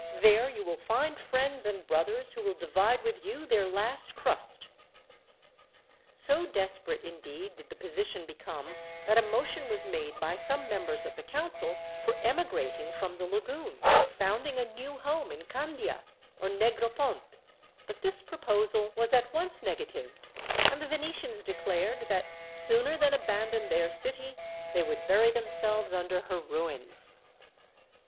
There you will find friends and brothers, who will divide with you their last crust." So desperate, indeed, did the position become, that a motion was made by some members of the council for emigrating from the lagoons, and founding a new home in Candia or Negropont; but this proposal was at once negatived, and the Venetians declared that, sooner than abandon their city, they would bury themselves under her ruins.